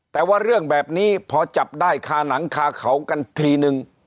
แต่ว่าเรื่องแบบนี้พอจับได้คาหนังคาเขากันทีนึง